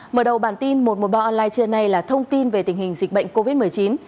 mở đầu bản tin một trăm một mươi ba online trưa nay là thông tin về tình hình dịch bệnh covid một mươi chín